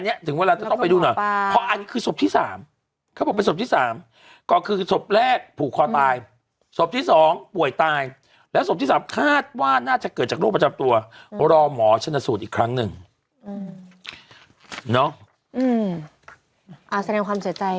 ครั้งหนึ่งอืมเนอะอืมอ่าแสดงความเสียใจกับครอบครัวผู้เสียชีวิตด้วย